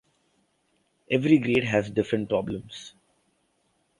Every grade has different problems.